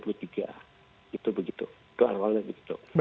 itu begitu itu awalnya begitu